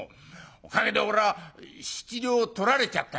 おかげで俺は７両取られちゃったい」。